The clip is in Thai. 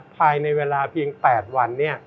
ภายในเวลาเพียง๘วัน